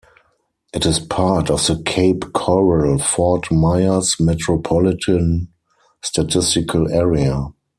It is part of the Cape Coral-Fort Myers Metropolitan Statistical Area.